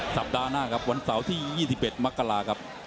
สัปดาห์หน้าครับวันเสาร์ที่๒๑มกราครับ